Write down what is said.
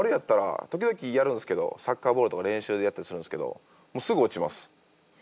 時々やるんすけどサッカーボールとか練習でやったりするんすけどもうすぐ落ちます。